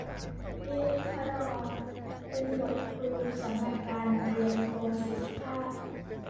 ลิลิตพระลอ เป็นบทครูสำหรับการเรียนโคลงสี่สุภาพ